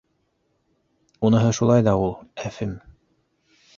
—Уныһы шулай ҙа ул, әфем!